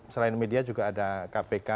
selain media juga ada kpk